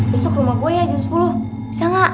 besok rumah gua ya jam sepuluh bisa ga